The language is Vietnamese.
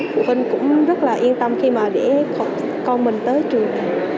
mình cũng rất là yên tâm khi mà để con mình tới trường